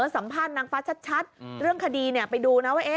สัมภาษณ์นางฟ้าชัดเรื่องคดีไปดูนะว่า